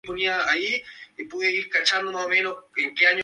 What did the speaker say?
Posee patas cortas y delgadas de color celeste, y un largo pico color hueso.